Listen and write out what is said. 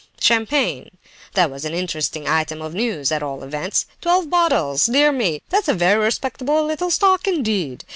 champagne! That was an interesting item of news, at all events!—Twelve bottles! Dear me, that's a very respectable little stock indeed!